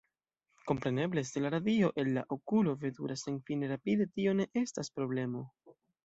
Kompreneble se la radio el la okulo veturas senfine rapide tio ne estas problemo.